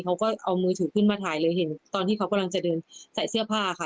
เขาก็เอามือถือขึ้นมาถ่ายเลยเห็นตอนที่เขากำลังจะเดินใส่เสื้อผ้าค่ะ